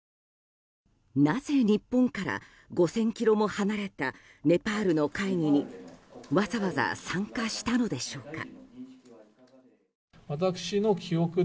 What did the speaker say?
なぜ日本から５０００ｋｍも離れたネパールの会議にわざわざ参加したのでしょうか。